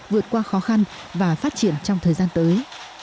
vượt qua khó khăn và phát triển trong thời gian tới